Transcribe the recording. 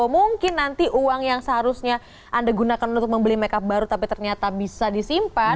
mungkin nanti uang yang seharusnya anda gunakan untuk membeli makeup baru tapi ternyata bisa disimpan